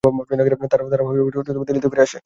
তারা দিল্লিতে ফিরে আসে।